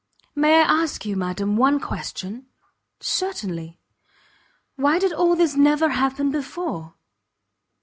"May I ask you, madam, one question?" "Certainly." "Why did all this never happen before?"